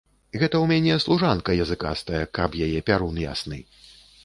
Гэта ў мяне служанка языкастая, каб яе пярун ясны!